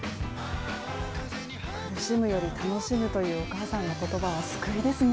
苦しむより楽しむというお母さんの言葉は救いですね。